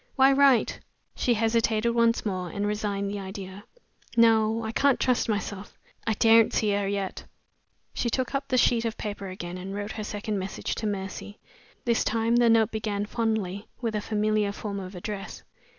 "Why write?" She hesitated once more, and resigned the idea. "No! I can't trust myself! I daren't see her yet!" She took up the sheet of paper again, and wrote her second message to Mercy. This time the note began fondly with a familiar form of address.